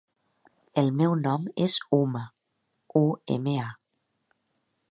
El meu nom és Uma: u, ema, a.